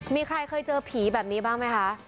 มีใครเคยเจอผีแบบนี้บ้างไหมคะ